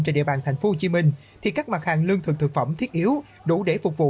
trên địa bàn thành phố hồ chí minh thì các mặt hàng lương thực thực phẩm thiết yếu đủ để phục vụ